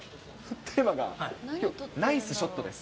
テーマがきょう、ナイスショットです。